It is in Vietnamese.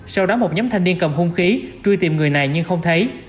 sau đó một nhóm thanh niên cầm hung khí truy tìm người này nhưng không thấy